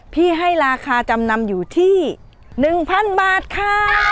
ให้ราคาจำนำอยู่ที่๑๐๐๐บาทค่ะ